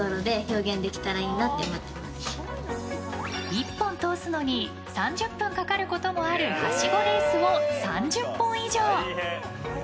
１本通すのに３０分かかることもあるはしごレースを３０本以上。